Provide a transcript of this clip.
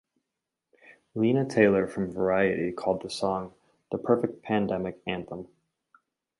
Leena Tailor from "Variety" called the song "the perfect pandemic anthem".